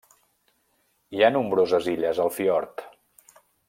Hi ha nombroses illes al fiord.